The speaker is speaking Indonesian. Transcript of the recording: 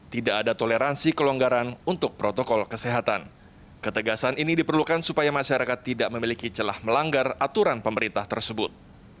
tidak ada toleransi kelonggaran untuk protokol kesehatan ketegasan ini diperlukan supaya masyarakat tidak memiliki celah melanggar aturan pemerintah tersebut